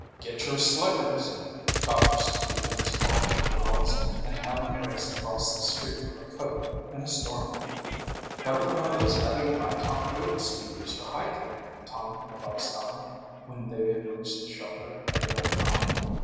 "Get your slickers," Doctor Stevens called to the girls and Helen raced across the street for her coat and a storm hat. "Better put on those heavy, high topped boots you use for hiking," Tom advised Helen when they had reached the shelter of their own home.